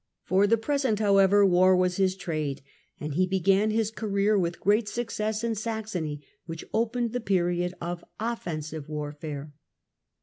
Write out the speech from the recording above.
For the present, however, war was his trade and War car he began his career with great success m Saxony, which saxony opened the period of offensive warfare.